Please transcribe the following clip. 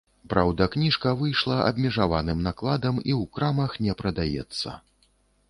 Праўда, кніжка выйшла абмежаваным накладам і ў крамах не прадаецца.